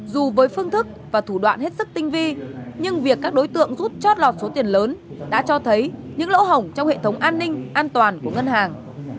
dù với phương thức và thủ đoạn hết sức tinh vi nhưng việc các đối tượng rút chót lọt số tiền lớn đã cho thấy những lỗ hỏng trong hệ thống an ninh an toàn của ngân hàng